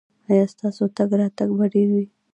ایا ستاسو تګ راتګ به ډیر وي؟